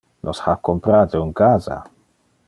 Nos ha comprate un casa.